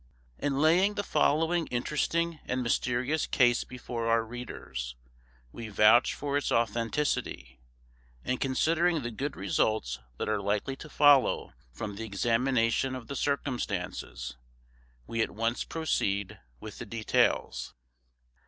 In laying the following interesting and mysterious case before our readers, we vouch for its authenticity, and considering the good results that are likely to follow from the examination of the circumstances, we at once proceed with the details.